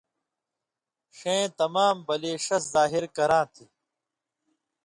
ݜَیں تمام بلی ݜس ظاہر کراں تھی